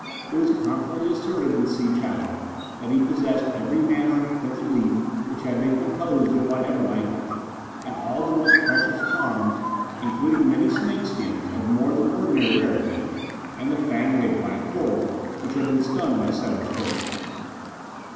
It was confidently asserted in Si chow that he possessed every manner of printed leaf which had been composed in whatsoever language, and all the most precious charms, including many snake skins of more than ordinary rarity, and the fang of a black wolf which had been stung by seven scorpions.